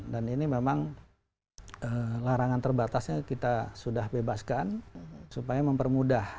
dan ini memang larangan terbatasnya kita sudah bebaskan supaya mempermudah